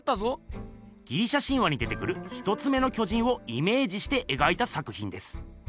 ギリシャ神話に出てくる一つ目の巨人をイメージして描いた作ひんです。